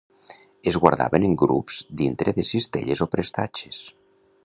Es guardaven en grups dintre de cistelles o prestatges.